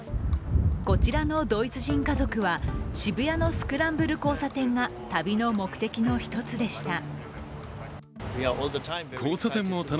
こちらのドイツ人家族は渋谷のスクランブル交差点が旅の目的の一つでした。